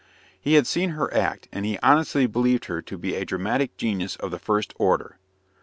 He had seen her act, and he honestly believed her to be a dramatic genius of the first order.